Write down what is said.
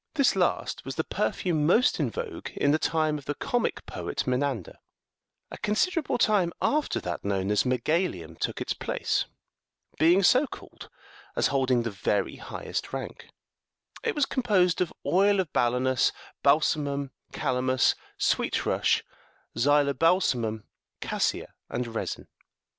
This last was the perfume most in vogue in the time of the Comic poet Menander: a considerable time after that known as u me galium" took its place, being so called as holding the very highest rank ; M it was composed of oil of balanus, balsamum, calamus, sweet rush, xylobalsamum,59 cassia, and resin.